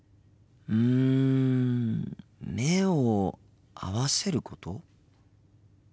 うん目を合わせること？